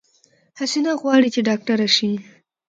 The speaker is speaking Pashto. حسينه غواړی چې ډاکټره شی